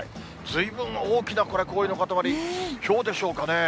ずいぶん大きな氷のかたまり、ひょうでしょうかね。